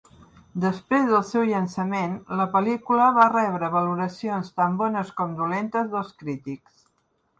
Després del seu llançament, la pel·lícula va rebre valoracions tant bones com dolentes dels crítics.